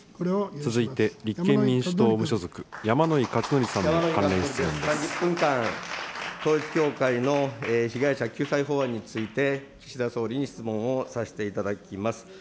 続いて立憲民主党・無所属、被害者救済法案について、岸田総理に質問をさせていただきます。